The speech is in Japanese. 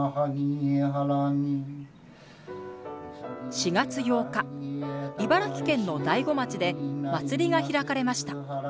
４月８日茨城県の大子町で祭りが開かれました。